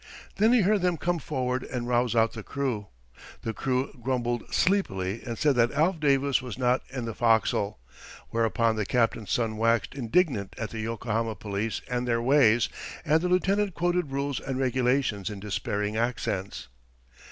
Then he heard them come forward and rouse out the crew. The crew grumbled sleepily and said that Alf Davis was not in the forecastle; whereupon the captain's son waxed indignant at the Yokohama police and their ways, and the lieutenant quoted rules and regulations in despairing accents.